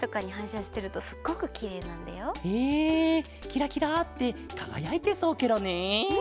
キラキラってかがやいてそうケロね。